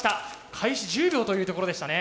開始１０秒というところでしたね。